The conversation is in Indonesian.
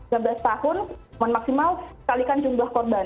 tiga belas tahun maksimal sekalikan jumlah korban